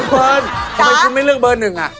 เบอร์นทำไมคุณไม่เลือกเบอร์๑อ่ะ